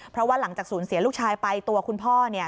เพราะว่าหลังจากสูญเสียลูกชายไปตัวคุณพ่อเนี่ย